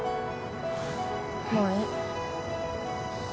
もういい。